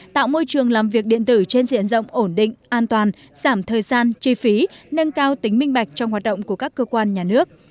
tạo môi trường làm việc điện tử trên diện rộng ổn định an toàn giảm thời gian chi phí nâng cao tính minh bạch trong hoạt động của các cơ quan nhà nước